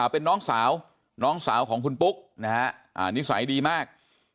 เป็นน้องสาวน้องสาวของคุณปุ๊กนะฮะนิสัยดีมาก